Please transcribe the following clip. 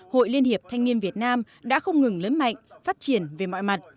hội liên hiệp thanh niên việt nam đã không ngừng lớn mạnh phát triển về mọi mặt